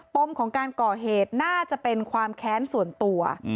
มของการก่อเหตุน่าจะเป็นความแค้นส่วนตัว